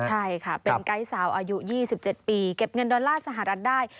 ใช่ค่ะเป็นไกด์สาวอายุ๒๗ปีเก็บเงินดอลลาร์สหรัฐได้